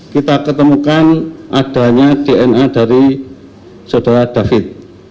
kita ketemukan adanya dna dari saudara david